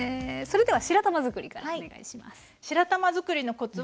それでは白玉づくりからお願いします。